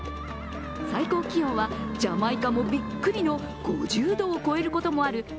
最高気温はジャマイカもびっくりの５０度を超えることもある